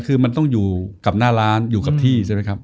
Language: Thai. คือมันต้องอยู่กับหน้าร้านอยู่กับที่ใช่ไหมครับ